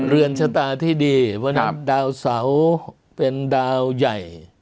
เรือนชะตาที่ดีเพราะฉะนั้นดาวเสาเป็นดาวใหญ่